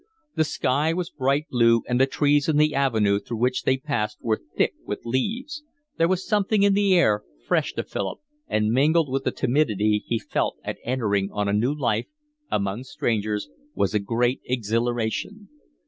The sky was bright blue, and the trees in the avenue through which they passed were thick with leaves; there was something in the air fresh to Philip, and mingled with the timidity he felt at entering on a new life, among strangers, was a great exhilaration.